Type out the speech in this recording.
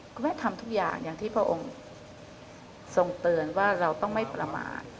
คุณแม่ทำทุกอย่างอย่างที่พระองค์ทรงเตือนว่าเราต้องไม่ประมาท